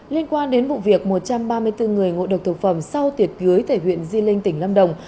liên quan đến vụ việc một trăm ba mươi bốn người ngộ độc thực phẩm sau tiệc cưới tại huyện di linh tỉnh lâm đồng